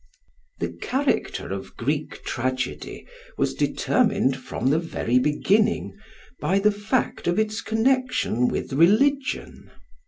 The character of Greek tragedy was determined from the very beginning by the fact of its connection with religion.